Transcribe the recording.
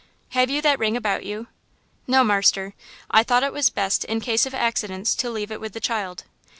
"Have you that ring about you?" "No, marster. I thought it was best in case of accidents to leave it with the child."